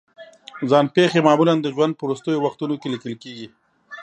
ځان پېښې معمولا د ژوند په وروستیو وختونو کې لیکل کېږي.